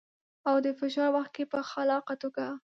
او د فشار وخت کې په خلاقه توګه.